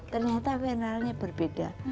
ternyata vernalnya berbeda